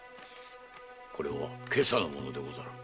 これは今朝のものでござる。